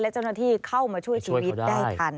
และเจ้าหน้าที่เข้ามาช่วยชีวิตได้ทัน